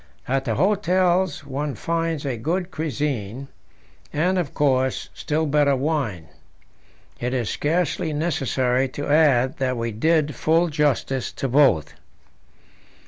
At the hotels one finds a good cuisine, and, of course, still better wine. It is scarcely necessary to add that we did full justice to both.